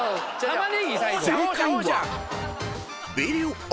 ［正解は］